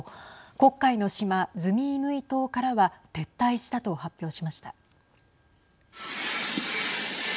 黒海の島、ズミイヌイ島からは撤退したと発表しました。